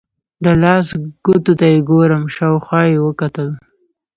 د لاس ګوتو ته یې ګورم، شاوخوا یې وکتل.